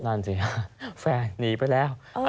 นั่นสิฮะแฟนหนีไปแล้ว